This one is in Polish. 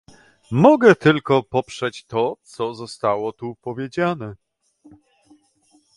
Mogę tylko poprzeć to, co zostało tu powiedziane